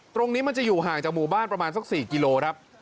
ตรงนี้มันจะอยู่ห่างจากหมู่บ้านประมาณสัก๔กิโลครับ